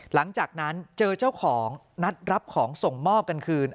หลังจากนั้นเจอเจ้าของนัดรับของส่งมอบกันคืน